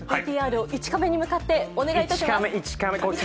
ＶＴＲを１カメに向かってお願いします。